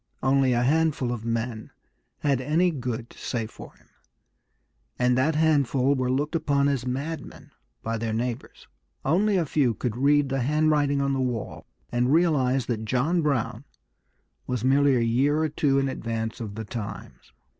Only a handful of men had any good to say for him, and that handful were looked upon as madmen by their neighbors. Only a few could read the handwriting on the wall, and realize that John Brown was merely a year or two in advance of the times.